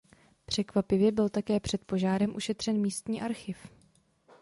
Překvapivě byl také před požárem ušetřen místní archiv.